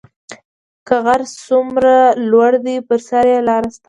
که غر څومره لوړ دی پر سر یې لار شته